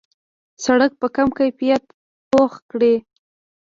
سړک په کم کیفیت پخ کړي.